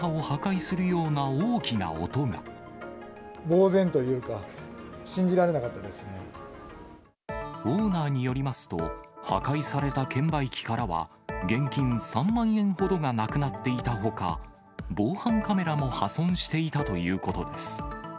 ぼう然というか、信じられなオーナーによりますと、破壊された券売機からは、現金３万円ほどがなくなっていたほか、防犯カメラも破損していたということです。